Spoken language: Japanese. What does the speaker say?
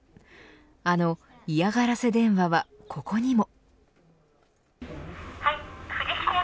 あの嫌がらせ電話はここにも。